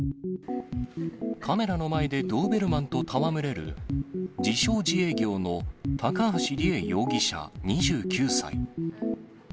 カメラの前でドーベルマンと戯れる、自称自営業の高橋里衣容疑者２９歳。